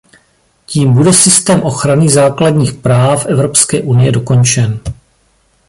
Tím bude systém ochrany základních práv Evropské unie dokončen.